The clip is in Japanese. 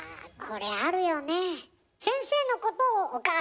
これあるよね。